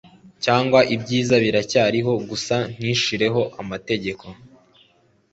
cyangwa ibyiza biracyariho, gusa ntushireho amategeko